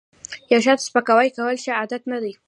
یو چاته سپکاوی کول ښه عادت نه دی